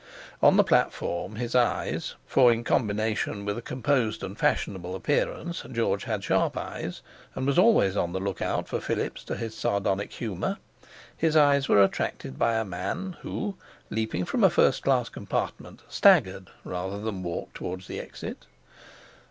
On the platform his eyes—for in combination with a composed and fashionable appearance, George had sharp eyes, and was always on the look out for fillips to his sardonic humour—his eyes were attracted by a man, who, leaping from a first class compartment, staggered rather than walked towards the exit.